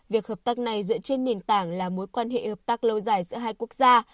việc hợp tác này dựa trên nền tảng là mối quan hệ hợp tác lâu dài giữa hai quốc gia